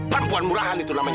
perempuan murahan itu namanya